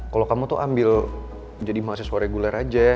kalau kamu tuh ambil jadi mahasiswa reguler aja